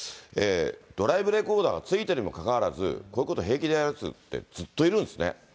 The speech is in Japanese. ドライブレコーダーが付いてるにもかかわらず、こういうこと平気でやるやつって、ずっといるんですね。